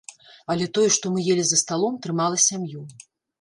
Але тое, што мы елі за сталом, трымала сям'ю.